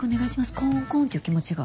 コンコンっていう気持ちが。